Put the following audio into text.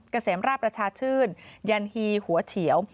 เกษมราชประชาชื่นยันฮีหัวเฉียว